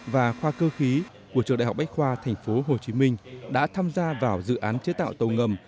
và khoa cơ khí của trường đại học bách khoa tp hcm đã tham gia vào dự án chế tạo tàu ngầm